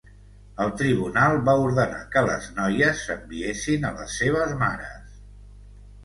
El tribunal va ordenar que les noies s'enviessin a les seves mares.